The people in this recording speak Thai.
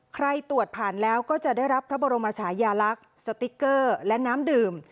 ตรวจผ่านแล้วก็จะได้รับพระบรมชายาลักษณ์สติ๊กเกอร์และน้ำดื่ม